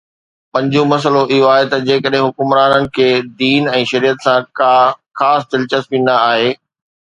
پنجون مسئلو اهو آهي ته جيڪڏهن حڪمرانن کي دين ۽ شريعت سان ڪا خاص دلچسپي نه آهي